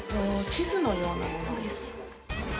地図のようなものです。